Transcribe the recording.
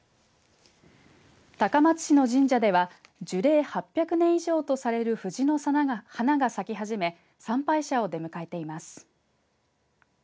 高松市の神社では樹齢８００年以上とされる藤の花が咲き始め参拝者を出迎えています。